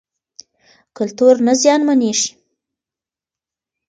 کلتور نه زیانمنېږي.